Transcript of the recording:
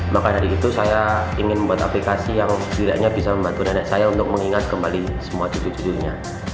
maka dari itu saya ingin membuat aplikasi yang sekiranya bisa membantu nenek saya untuk mengingat kembali semua cucu cucunya